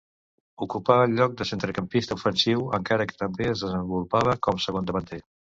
Ocupà el lloc de centrecampista ofensiu, encara que també es desenvolupava com segon davanter.